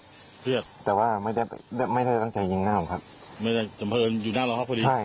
เครียดแต่ว่าไม่ได้ตั้งใจยิงหน้าโรงพัก